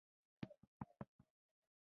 دا د پټرانیوس مکسیموس په نامه و